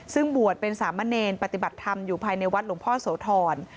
ซึ่งบวชเป็นสามเณรปฏิบัติธรรมอยู่ภายในวัดหลวงพ่อโสธร